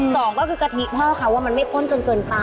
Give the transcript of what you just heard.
สองก็คือกะทิพ่อเขาว่ามันไม่ข้นจนเกินไป